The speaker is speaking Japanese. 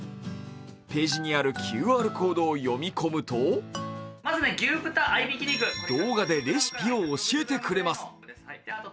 ページにあるＱＲコードを読み込むと、動画でレシピを教えてくれます。